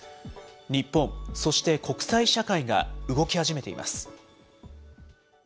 日本、そして国際社会が動き始めています。